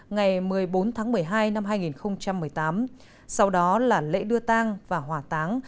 ngày một mươi bốn tháng một mươi hai năm hai nghìn một mươi tám sau đó là lễ đưa tăng và hòa tăng